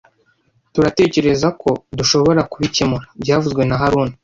turatekerezako dushobora kubikemura byavuzwe na haruna